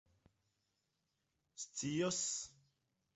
scios